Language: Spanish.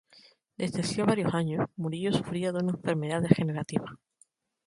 Desde hacía varios años, Murillo sufría de una enfermedad degenerativa.